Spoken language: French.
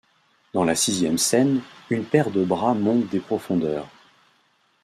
Dans la sixième scène, une paire de bras monte des profondeurs.